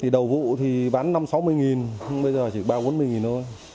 đầu vụ thì bán năm sáu mươi nghìn bây giờ chỉ ba bốn mươi nghìn thôi